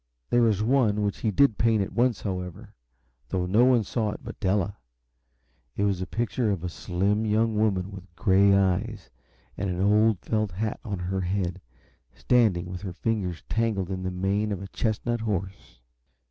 There was one which he did paint at once, however though no one saw it but Della. It was the picture of a slim young woman with gray eyes and an old felt hat on her head, standing with her fingers tangled in the mane of a chestnut horse.